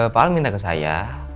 pak al minta ke saya